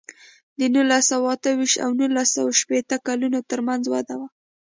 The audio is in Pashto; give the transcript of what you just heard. د نولس سوه اته ویشت او نولس سوه شپېته کلونو ترمنځ وده وه.